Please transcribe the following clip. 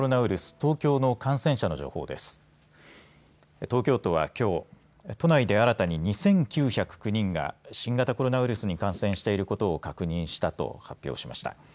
東京都はきょう、都内で新たに２９０９人が新型コロナウイルスに感染していることを確認したと発表しました。